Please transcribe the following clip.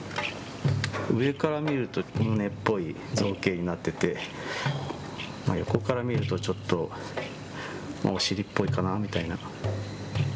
上から見ると胸っぽい造形になってて横から見るとちょっとお尻っぽいかなみたいな。